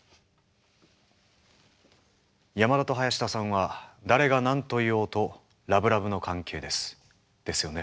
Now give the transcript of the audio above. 山田と林田さんは誰が何と言おうとラブラブの関係です。ですよね？